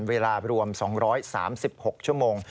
เวลารวม๒๓๖ชั่วโมง